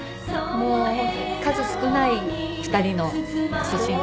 もう数少ない２人の知人。